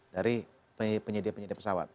dari penyedia penyedia pesawat